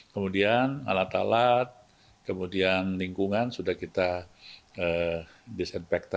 kemudian alat alat kemudian lingkungan sudah kita disinfektan